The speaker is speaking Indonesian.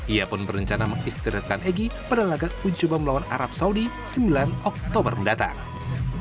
ia pun berencana mengistirahatkan egy pada lagak ujuban melawan arab saudi sembilan oktober mendatang